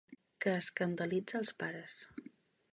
Que escandalitza els pares.